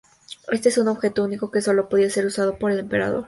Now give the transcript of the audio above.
Este es un objeto único que sólo podía ser usado por el emperador.